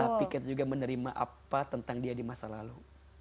tapi kita juga menerima apa tentang dia di masa lalu